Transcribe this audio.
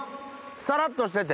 さらっとしてて。